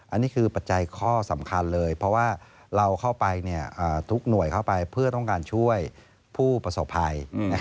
อันนี้คือปัจจัยข้อสำคัญเลยเพราะว่าเราเข้าไปทุกหน่วยเข้าไปเพื่อต้องการช่วยผู้ประสบภัย